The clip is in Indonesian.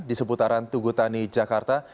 di seputaran tugutani jakarta